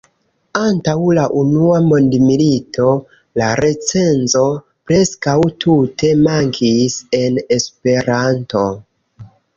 Antaŭ la unua mondmilito la recenzo preskaŭ tute mankis en Esperanto.